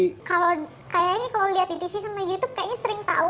kalau kayaknya kalau lihat di tv sama youtube kayaknya sering tahu